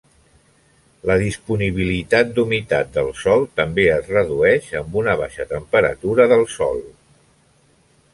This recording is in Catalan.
La disponibilitat d'humitat del sòl també es redueix amb una baixa temperatura del sòl.